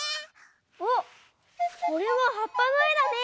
あっこれははっぱのえだね。